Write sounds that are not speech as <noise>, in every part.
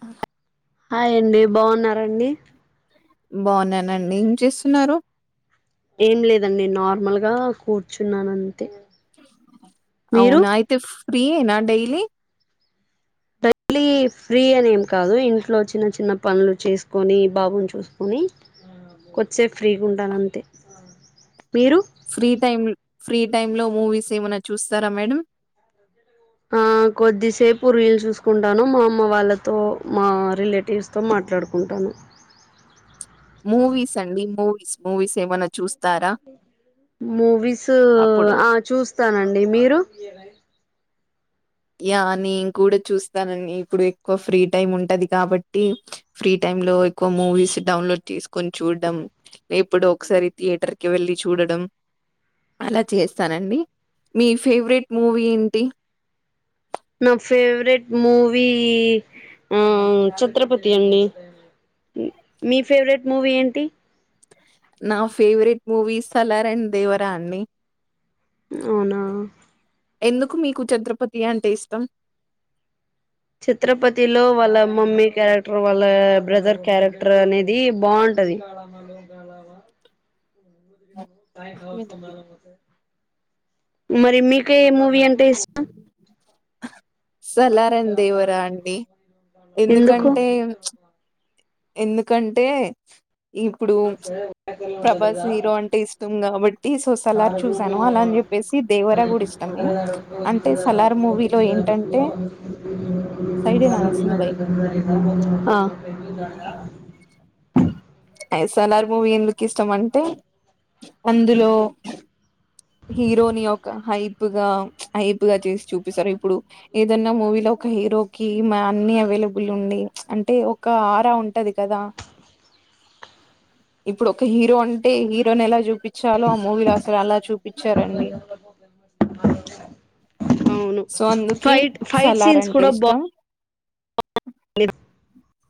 ఆ అాయండి బాగున్నారంండి బాగున్నానండి ఏం చేస్తున్నారు ఏం లేదండి నార్మల్ గా కూర్చున్నాను అంతే మీరు అవునా అయితే ఫ్రీ నా డైలీ ైలీ ఫ్రీ అనేం కాదు ఇంట్లో చిన్న చిన్న పనులు చేసుకొని బాబుని చూసుకొని కొచ్చేపు ఫ్రీగా ఉంటాను అంతే మీరు ఫ్రీ ఫ్రీ టైమ్ లో మూవీస్ ఏమైనా చూస్తారా మేడం ఆ కొద్దిసేపు రుయల్ చూసుకుంటాను మా అమ్మ వాళ్ళతో మా రిలేటివ్స్ తో మాట్ మాట్లాడుకుంటాను మూవీస్ అండి మూవీస్ మూవీస్ ఏమైనా చూస్తారా మూవీస్ అప్పుడు ఆ చూస్తానండి మీరు యా నేను కూడా చూస్తానని ఇప్పుడు ఎక్కువ ఫ్రీ టైమ్ ఉంటది కాబట్టి ఫ్రీ టైం లో ఎక్కువ మూవీస్ డౌన్లోడ్ చేసుకొని చూడడం లేప్పుడు ఒకసారి థియేటర్ కి వెళ్లి చూడడం అలా చేస్తానండి మీ ఫేవరెట్ మూవీ ఏంటి నా ఫేవరెట్ మూవీ ఆ ఛత్రపతి అండి మీ ఫేవరెట్ మూవీ ఏంటి నా ఫేవరెట్ మూవీ సలార్ అండ్ దేవరాన్ని అవునా ఎందుకు మీకు ఛత్ర్రపతి అంటే ఇష్టం చిత్రపతి లో వాళ్ళ మమ్మీ క్యారెక్టర్ వాళ్ళ బ్రదర్ క్యారెక్టర్ అనేది బాగు <inaudible> మరి మీక మూవీ అంట దేశ సలార దేవరా అండి ఎందుకు ఎందుకంటే ఎందుకంటే ఇప్పుడు ప్రభాస్ హీరో అంటే ఇష్టం కాబట్టి సో సలార్ చూసాను అలాని చెప్పే దేవరా గుడి ఇష్టమే అంటే సలార్ మూవీలో ఏంటంటే సైడే <inaudible> నానేసింది బై ఆ <inaudible> ఎస్ఎల్ఆర్ మూవీ లుక్ ఇష్టం అంటే అందులో హీరోని యొక్క హైప్గా హైప్గా చేసి చూపిస్తారు ఇప్పుడు ఏదన్నా మూవీలో ఒక హీరో క అన్ని అవైలబుల్ ఉండి అంటే ఒక ఆరా ఉంటది కదా ఇప్పుడు ఒక హీరో అంటే హీరోయిన్ ఎలా చూ పచ్చాలో ఆ మూవీలు అసలు అలా చూపించారండి అవును సో అందుకే ఫైట్ ఫైట్ సలార్ సీన్స్ అంటే కూడా బా ఇష్టం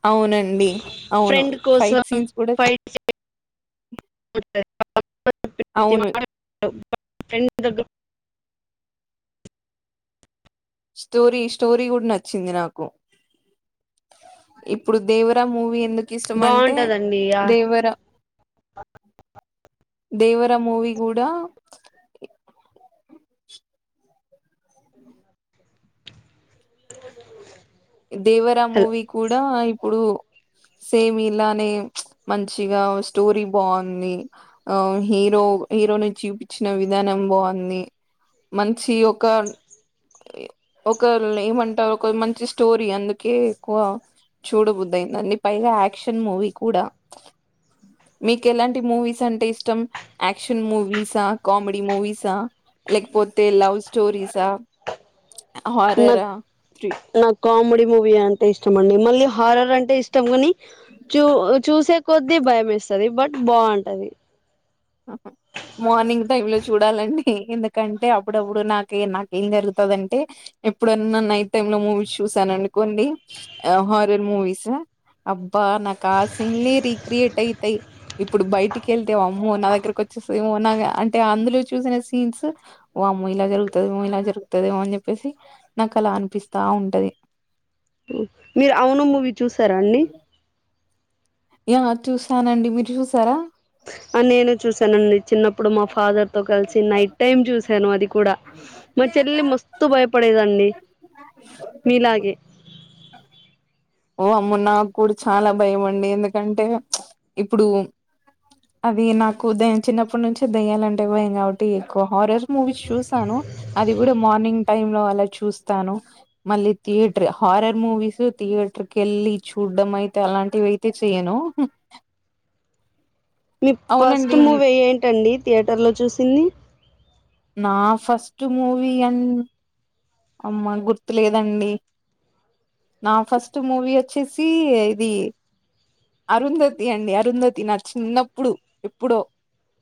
అవునండి అవును ఫ్రెండ్ కోసం ఫైట్ సీన్స్ కూడా ఫైట్ంటంది అవును <inaudible> స్టోరి స్టోరీ గూడా నచ్చింది నాకు ఇప్పుడు దేవర మూవీ ఎందుకు ఇష్టం అంటే బాగుంటదండి ఆ దేవర దేవర మూవి గూడా ఇ <inaudible> దేవర మూవీ కూడా ఎప్పు సేమ్ ఇలానే మంచిగా స్టోరీ బాంది హ హీరో హీరోను చూపిచ్చిన విధానం బాంది మంచి ఒక ఒకల్లేమంటారు ఒకలు మంచి స్టోరీ అందుకే ఎక్కువ చూడబుద్ధి అయిందండి పైగా యాక్షన్ మూవీ కూడా మీకు ఎలాంటి మూవీస్ అంటే ఇష్టం. యాక్షన్ మూవీసా, కామెడీ మూవీసా. లేకపోతే లవ్ స్టోరీస్ అ హార్రర్ నాకు ఆ నాకు కామెడీ మూవి అంటె ఇష్టమండి మళ్ మల్లి హారర్ అంటే ఇష్టం కాని చూ చూసే కొద్దీ భయమేస్తది బట్ బాంటది. <inaudible> మార్నింగ్ టైమ్ లొ చూడాలండి. ఎందుకంటే అప్పుడప్పుడు నాకు నాకేం జరుగుతాదం ఎప్పుడన్నా నైట్ టైమ్ లో మూవీస్ చూసాననుకోండి. హ హార్రర్ మూవీసు అబ్బా నాకు ఆ సీన్లే రీక్రియేట్ అయితయి ఇప్పుడు బయటికెళ్తే వామ్ అమ్మో నా దగ్గరకొచ్చేస్ మో నాకి అంటె అందులో చూసిన సీన్స్ వామ్మో ఇలా జరుగుతాదేమో ఇలా జరుగు గుతదేమో అని చెప్పేసి నాకు అలా అనిపిస్తా ఉంటది మీరు అవును మూవీ చూసారా అండి. యా చూసానండి. మీరు చూసారా నేను చూసానండి చిన్నప్పుడు మా ఫాదర్ తో కలిసి నైట్ టైమ్ చూసాను అది కుడా. మా చెల్లెలు మస్తు భయపడేది అన్ డి మీలాగే అమ్మో నాకు కూడా చాలా భయమండి ఎందుకంటే ఇప్పుడు అది నాకు దయ్యం చిన్నప్పటి నుంచే దయ్యాలంటే భయం కాబట్టి ఎక్కువ హారర్ మూవీస్ చూసాను అది గూడ మార్నింగ్ టైమ్ లో అలా చూస్తాను. మల్లి థియేటర్ హారర్ మూవీస్ థియేటర్ కెళ్ళి చూడ్డం అయితే అలాంటివయితే చెయ్యను. మీ ఫస్ట్ మూవీ ఏంటండి థియేటర్ లో చూసింది. నా ఫస్ట్ మూవి అన్ అమ్మ గుర్తులేదండి నా ఫస్ట్ మూవీ వచ్చేసీ ఇది అరుంధతి అండి అరుంధతి నా చిన్నప్పుడు ఎప్పుడో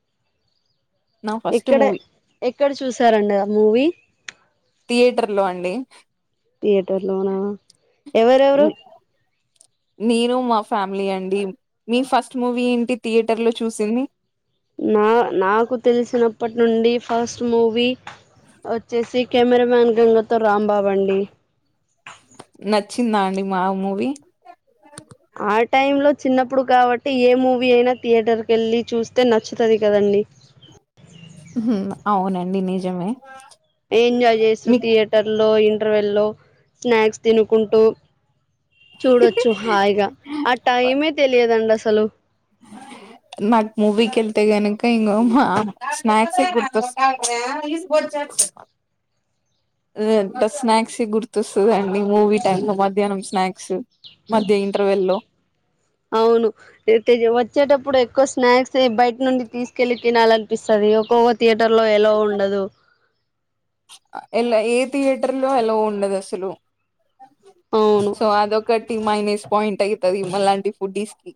<unintelligible> నా ఫస్ట్ ఇక్కడే మూవీ ఎక్కడ చూసారండి ఆ మూవీ థియేటర్ లో అండి థియేటర్ లోనా ఎవరెవరు నేను మా ఫ్యామిలీ అండి. మీ ఫస్ట్ మూవీ ఏంటి థియేటర్లో చూసిన్ నా నాకు తెలిసినప్పటి నుండి ఫస్ట్ మూవీ వచ్చేసి కెమెరామాన్ గంగతో రాంబాబు అండి నచ్చిందా అండి మా మూవీ ఆ టైమ్ లొ చిన్నప్పుడు కాబట్టి ఏ మూవీ అయినా థియేటర్ కెళ్లి చూస్తే నచ్చుతది కదం <inaudible> హుమ్ అవునండి నిజమే ఏంజాయ్ చేస్తూ మీ థియేటర్లో ఇంటర్వెల్లో స్నాక్స్ తినుకుంటూ చూడొచ్చు హాయిగా ఆ టైమే తెలియదండి అసలు మాకు మూవీ కి వెళ్తే గనుక ఇంగ స్నాక్స్ ఏ గుర్తొస్తా చెప్పు <unintelligible> లేద్ స్నాక్స్ గుర్తొస్తుందండి. మూవీ టైమ్ లో మధ్యాహ్నం స్నాక్స్ మధ్య ఇంటర్వెల్ లో అవును వచ్చేటప్పుడు ఎక్కువ స్నాక్స్ బయట్ నుండి తీసుకెళ్లి తినాలినిపిస్తది. ఈ ఒక్కొ థియేటర్ లో అలో ఉండదు ఎలా ఏ థియేటర్ లో ఎల్లో ఉండదు అసలు అవును సో అది ఒకట్ మైనస్ పాయింట్ ఐతది మాలాంటి ఫుడీస్కి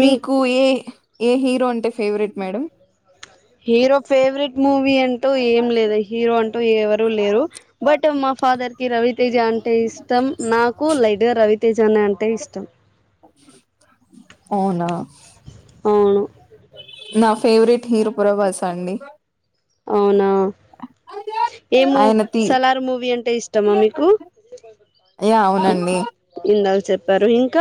మింక్ మీకు ఏ ఏ హీరో అంటే favourite madam hero favourite movie అంటూ ఏం లేదు హీరో అంటూ ఎవరు లేరు బట్ మా ఫాదర్ కి రవితేజ అంటే ఇష్టం నాకు లైట్ గా రవి జొన్న అంటే ఇష్టం అవునా అవును నా ఫేవరెట్ హీరో ప్రభాసా అండి అవునా ఏము ఆయన తీ సలార్ మూవీ అంటే ఇష్టమా మీకు య అవునండి ఇందాక చెప్పారు ఇంక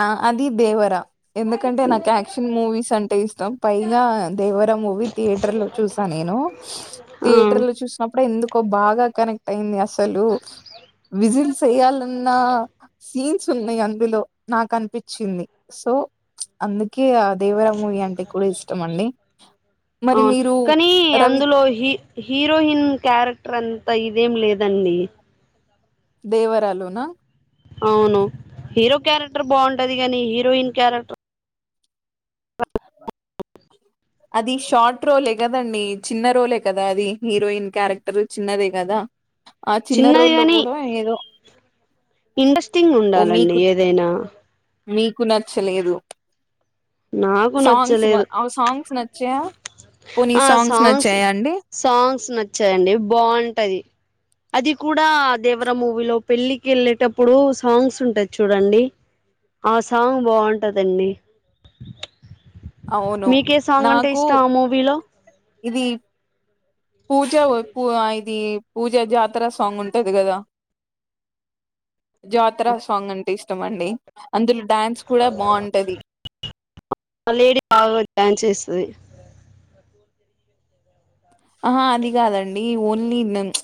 ఆ అది దేవరా ఎందుకంటే నాకు యాక్షన్ మూవీస్ అంటే ఇష్టం పైగా దేవర మూవీ థియేటర్ లో చూసా నేను ఆ థియేటర్ లో చూసినప్ డు ఎందుకో బాగా కనెక్ట్ అయింది అసలు విజిల్స్ ఎయాలన్న సీన్స్ ఉన్నాయి అందులో నాకు అనిపించింది సో అందుకే ఇగ దేవర మూవీ అంటే కూడా ఇష్టం అండి మరి అవును మీరు కానీ రవి అందులో హీ హీరోయిన్ క్యారెక్టర్ అంతా ఇ ఎం లేదండి దేవర లోన అవును హీరో క్యారెక్టర్ బాగుంటది గాని హీరోయిన్ క్యారెక్టర్ అది షార్ట్ రోలే కదండి చిన్న రోలే కదా అది హీరోయిన్ క్యారెక్టర్ చిన్నదే కదా ఆ చిన్న చిన్నది రోల్ గాని కూడా ఏదో ఇంట్రెస్టింగ్ ఓ ఉండాలండి మీకు ఏదైనా మీకు నచ్చలేదు నాకు సాంగ్స్ నచ్చలేదు ఆ సాంగ్స్ నచ్చా ఆ సాంగ్స్ సాంగ్స్ నచ్చాయండి బాగుంటది అది కూడా దేవరా మూవీలో పెళ్ళికి వెళ్ళేటప్పుడు సాంగ్స్ ఉంటాయి చూడండి ఆ సాంగ్ బాగుంటదండి అవును మీకే సాంగ్ అంటే నాకు ఇష్టం ఆ మూవీలో ఇది పూజ పూ ఇది పూజ జాతర సాంగ్ ఉంటది కదా జాతర సాంగ్ అంటే ఇష్టం అండి అందులో డ్యాన్స్ కూడా బాగుంటది మలేడీ బాగా డ్యాన్స్ చేస్తది ఆహా అది కాదండి ఓన్లీ <unintelligible>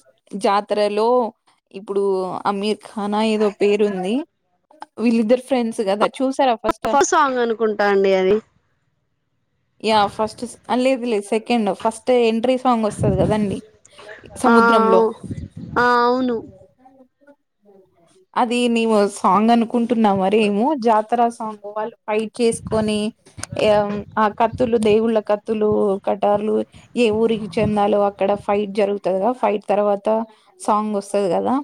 జాతరలో ఇప్పుడు అమీర్ ఖానా ఏదో పేరుంది వీళ్ళిద్దరు ఫ్రెండ్స్ కద చూసారా ఫస్ట్ ఫస్ సాంగ్ అనుకుంటా అండి అది యా ఫస్ట్ అల్ర్లిబిల్లీ సెకెండ్ ఫస్ట్ ఎంట్రీ సాంగ్ వస్తది కదండి ఆ సముద్రంలో ఆ అవును అది నీవు సాంగ్ అనుకుంటున్నా మరేమో జాతర సాంగ్ వాళ్ళు ఫైట్ చేసుకొని ఎ ఆ కత్తులు దేవుళ్ళ కత్తులు కటార్లు ఏ ఊరికి చెందాలో అక్కడ ఫైట్ జరుగుతది ఫైట్ తర్వాత సాంగ్ వస్తది కదా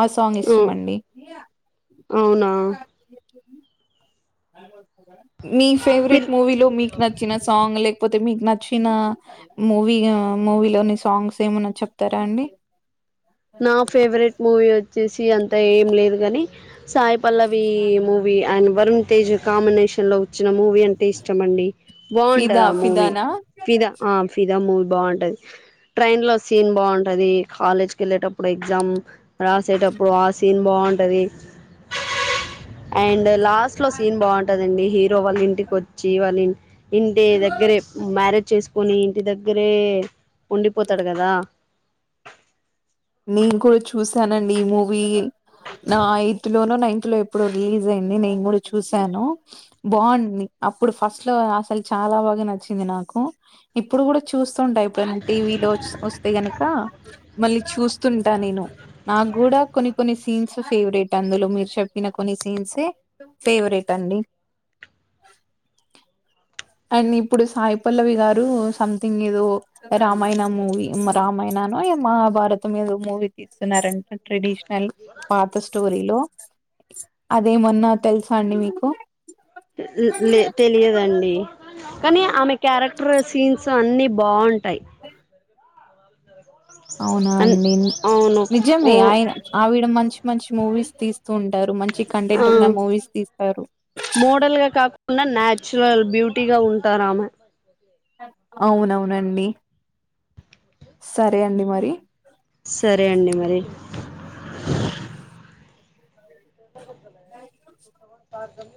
ఆ సాంగ్ ఇష్టం అండి అవునా మీ ఫేవరెట్ మీరు మూవీలో మీకు నచ్చిన సాంగ్ లేకపోతే అయితే మీకు నచ్చిన మూవీ మూవీలోని సాంగ్స్ ఏమన్నా చెప్తారా అండి <inaudible> చేసి అంత ఏం లేదు కానీ సాయి పల్లవి మూవీ ఆయన వరుణ్ తేజ్ కాంబినేషన్ లో వచ్చినం. మూవీ అంటే ఇష్టమండి, బాగుంటది ఫిదా ఆ మూవీ, ఫిదానా ఫిదా ఆ ఫిదా మూవీ బాగుంటది, ట్రైన్ లో సీన్ బాగుంటది కాలేజ్ కెళ్ళేటప్పుడు ఎగ్జామ్ రాసేటప్పుడు ఆ సీన్ బాగుంటది. అండ్ లాస్ట్ లో సీన్ బాగుంటదండి, హీరో వాళ్ళ ఇంటికి వచ్చి వాళ్ళ ఇ ఇంటి దగ్గరే మ్యారేజ్ చేసుకొని, ఇంటి దగ్గరే ఉండిపోతాడు గదా. నేను కూడా చూసానండి ఈ మూవీ, నా ఎయిత్ లోనో నైన్ లో ఎప్పుడో రిలీజ్ అయింది, నేను గుడ చూసాను బాగుంది, అప్పుడు ఫస్ట్ అసలు చా చాలా బాగా నచ్చింది నాకు, ఇప్పుడు గుడ చూస్తంటా ఎప్పుడైనా టీవీలో ఓ వస్తే గనుక ద చూస్తుంటా నేను, నాకు గుడ కొన్ని కొన్ని సీన్స్ ఫేవరెట్ అందులో, మీరు చెప్పిన కొన్ని సీన్స్ సే ఫేవరెట్ అండి. <inaudible> అండ్ ఇప్పుడు సాయి పల్లవి గారు సంథింగ్ ఏదో రామాయణ మూవీ రామాయణ నో మహాభారతం ఏదో మీద మూవీ తీస్తున్నారంట ట్రెడిషనల్ పాత స్టోరీలో, అదే మ న తెలుసా అండి మీకు? లే తెలియదండి కానీ ఆమె క్యారెక్టర్ సీన్స్ అన్ని బాగుంటయి. అవునా అన్ అండి. అవును నిజమే ఓ ఆయన ఆవిడ మంచి మంచి మూవీస్ తీస్తూ ఉంటారు, మంచి కంటెంట్ ఉన్న మూవీస్ తీస్ టారు మోడల్ గా కాకుండా, నాచురల్ బ్యూటీగా ఉంటారామె. అవునవునండి, సరే అండి మరి. సరే అండి మరి. <inaudible> బ పార్థము